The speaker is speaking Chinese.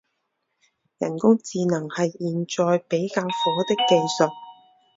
人工智能是现在比较火的技术。